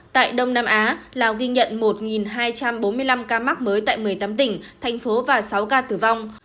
tại đông nam á lào ghi nhận một hai trăm bốn mươi năm ca mắc mới tại một mươi tám tỉnh thành phố và sáu ca tử vong